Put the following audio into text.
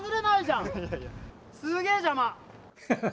すげえ邪魔！